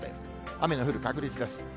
雨の降る確率です。